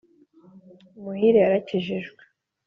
Muhire yarakijijwe.